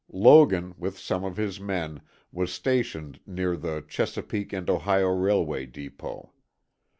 Logan, with some of his men, was stationed near the Chesapeake & Ohio Railway Depot.